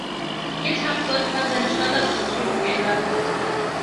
Github sollte mal seine Standardsortierung ändern.